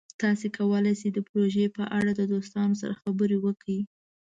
تاسو کولی شئ د پروژې په اړه د دوستانو سره خبرې وکړئ.